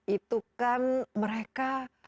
itu kan mereka